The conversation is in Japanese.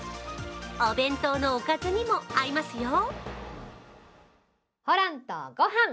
お弁当のおかずにも合いますよ。